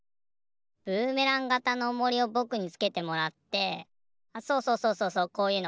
ブーメランがたのおもりをぼくにつけてもらってあっそうそうそうそうそうこういうの。